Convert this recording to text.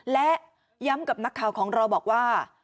และย้ำกับนักข่าวของเราบอกว่า